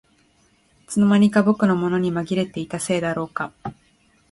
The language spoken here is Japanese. いつの間にか僕のものにまぎれていたせいだろうか